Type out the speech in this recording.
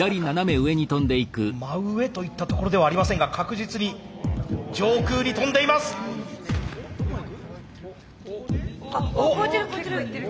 真上といったところではありませんが確実に上空に跳んでいます！超えてる！超えてる！